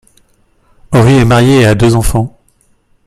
Ory est marié et a deux enfants.